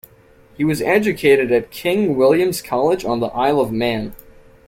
He was educated at King William's College on the Isle of Man.